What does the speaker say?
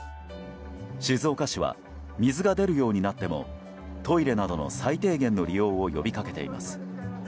静岡市は水が出るようになってもトイレなどの、最低限の利用を呼び掛けています。